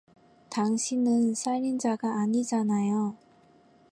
당신은 살인자가 아니잖아요.